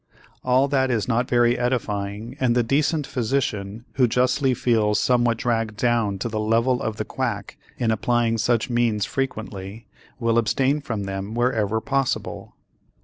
All that is not very edifying and the decent physician, who justly feels somewhat dragged down to the level of the quack in applying such means frequently, will abstain from them wherever possible.